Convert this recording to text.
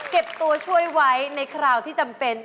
ตัวช่วยไว้ในคราวที่จำเป็น